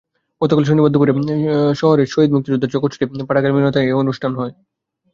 গতকাল শনিবার দুপুরে শহরের শহীদ মুক্তিযোদ্ধা জগৎজ্যোতি পাঠাগার মিলনায়তনে এই অনুষ্ঠান হয়।